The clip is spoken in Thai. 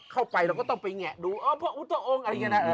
เราก็ต้องไปแงะดูอ๋อพระพุทธองค์อะไรอย่างนี้นะ